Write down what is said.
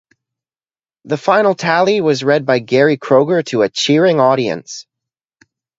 The final tally was read by Gary Kroeger to a cheering audience.